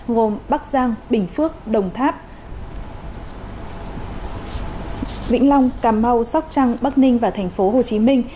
gồm bắc giang bình phước đồng tháp vĩnh long cà mau sóc trăng bắc ninh và thành phố hồ chí minh